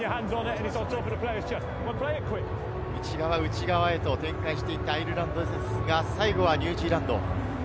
内側内側へと展開してきたアイルランドですが、最後はニュージーランド。